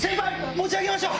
持ち上げましょう。